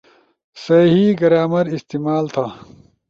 صحیح گرامر استعمال تھا